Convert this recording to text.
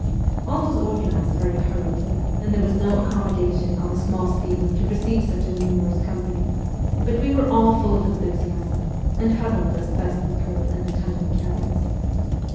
All was organized very hurriedly, and there was no accommodation on the small steamer to receive such a numerous company ; but we were all full of enthusiasm, and huddled as best we could in the tiny cabins.